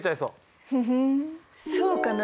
ふふんそうかな？